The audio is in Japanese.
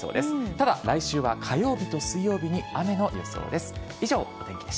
ただ、来週は火曜日と水曜日に雨の予想です。